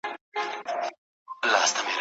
پېغلي نه نيسي د اوښو پېزوانونه